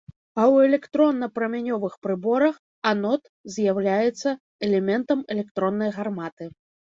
А ў электронна-прамянёвых прыборах анод з'яўляецца элементам электроннай гарматы.